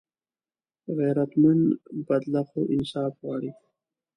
غیرتمند بدله خو انصاف غواړي